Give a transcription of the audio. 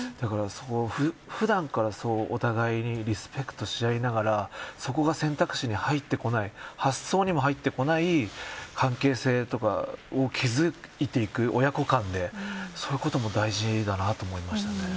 普段からお互いにリスペクトしあいながらそこが選択肢に入ってこない発想にも入ってこない関係性とかを築いていく親子間でそういうことも大事だと思いました。